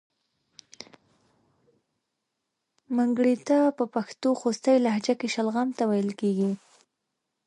منګړیته په پښتو خوستی لهجه کې شلغم ته ویل کیږي.